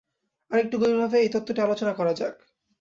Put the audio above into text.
আর একটু গভীরভাবে এই তত্ত্বটি আলোচনা করা যাক।